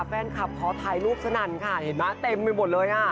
แฟนคลับขอถ่ายรูปสนั่นค่ะเห็นไหมเต็มไปหมดเลยอ่ะ